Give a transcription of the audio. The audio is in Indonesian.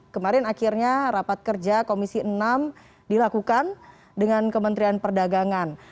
kemarin akhirnya rapat kerja komisi enam dilakukan dengan kementerian perdagangan